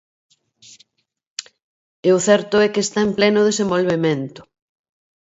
E o certo é que está en pleno desenvolvemento.